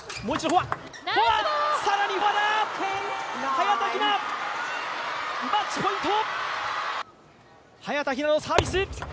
早田ひな、マッチポイント！